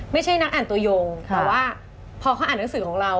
ไม่ใช่นักอ่านตัวยงแต่ว่าพอเขาอ่านหนังสือของเรา